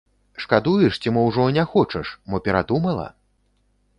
Шкадуеш ці мо ўжо не хочаш, мо перадумала?